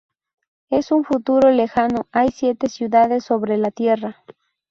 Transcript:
En un futuro lejano, hay siete ciudades sobre la tierra.